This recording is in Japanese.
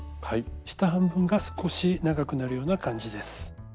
下半分が少し長くなるような感じです。